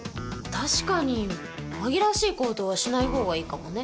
確かに紛らわしい行動はしないほうがいいかもね。